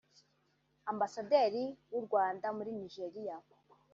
Ambasaderi w’u Rwanda muri Nigeria